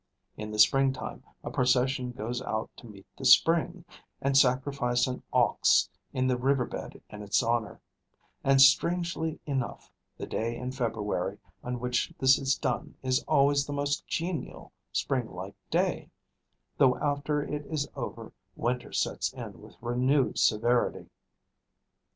In the spring time a procession goes out to meet the spring, and sacrifice an ox in the river bed in its honour; and, strangely enough, the day in February on which this is done is always the most genial springlike day, though after it is over winter sets in with renewed severity.